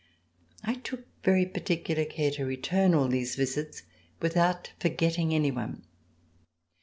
I took very particular care to return all these visits without forgetting any one.